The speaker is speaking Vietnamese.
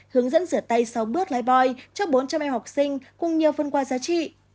hướng dẫn rửa tay sáu bước lái boi cho bốn trăm linh em học sinh cùng nhiều phân qua giá trị